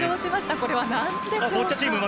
これはなんでしょうか。